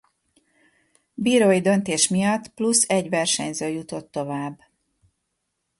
Bírói döntés miatt plusz egy versenyző jutott tovább.